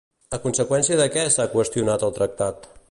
A conseqüència de què s'ha qüestionat el tractat?